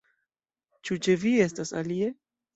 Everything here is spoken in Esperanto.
Ĉu ĉe vi estas alie?